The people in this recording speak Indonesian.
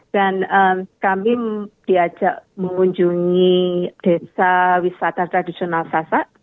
dan kami diajak mengunjungi desa wisata tradisional sasak